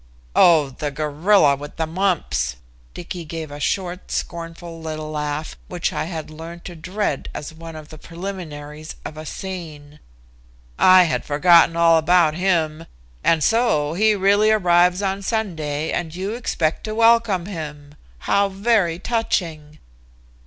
"Oh, the gorilla with the mumps!" Dicky gave the short, scornful, little laugh which I had learned to dread as one of the preliminaries of a scene. "I had forgotten all about him. And so he really arrives on Sunday, and you expect to welcome him. How very touching!"